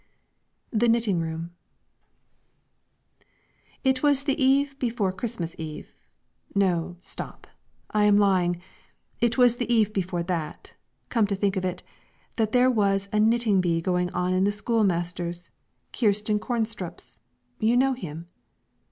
THE KNITTING ROOM It was the eve before Christmas Eve no, stop! I am lying it was the eve before that, come to think of it, that there was a knitting bee going on at the schoolmaster's, Kristen Kornstrup's, you know him?